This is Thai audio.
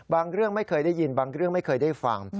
เรื่องไม่เคยได้ยินบางเรื่องไม่เคยได้ฟัง